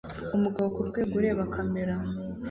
Umugabo kurwego ureba kamera